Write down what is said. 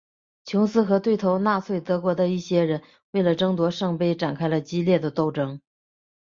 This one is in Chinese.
琼斯和对头纳粹德国的一些人为了争夺圣杯展开了激烈的斗争。